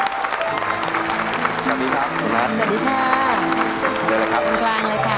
สวัสดีครับคุณมัดสวัสดีครับเป็นกลางเลยค่ะ